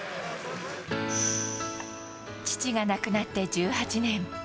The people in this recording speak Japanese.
父が亡くなって１８年。